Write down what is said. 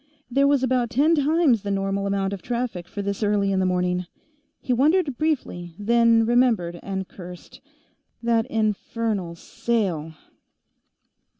There was about ten times the normal amount of traffic for this early in the morning. He wondered, briefly, then remembered, and cursed. That infernal sale!